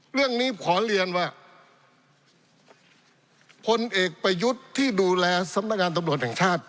เรื่องนี้ขอเรียนว่าพลเอกประยุทธ์ที่ดูแลสำนักงานตำรวจแห่งชาติ